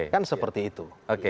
kan seperti itu